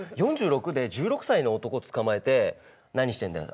４６で１６歳の男つかまえて「何してんだよ？